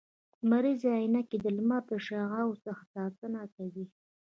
لمریزي عینکي د لمر د شعاوو څخه ساتنه کوي